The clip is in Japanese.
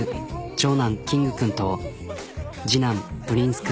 長男キング君と次男プリンス君。